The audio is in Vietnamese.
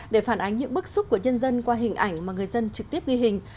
để phản ánh những bức xúc của nhân dân qua hình ảnh mà người dân trực tiếp ghi hình